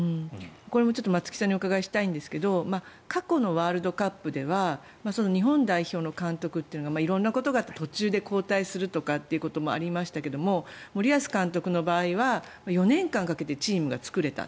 これも松木さんにお伺いしたいんですが過去のワールドカップでは日本代表の監督というのが色んなことがあって途中で交代することもありましたけども森保監督の場合は４年間かけてチームを作れた。